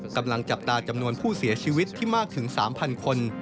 กำลังจับตาจำนวนผู้เสียชีวิตที่มากถึง๓๐๐คน